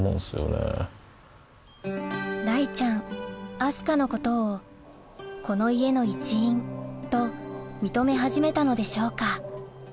明日香のことをこの家の一員と認め始めたのでしょうか